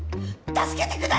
助けてください！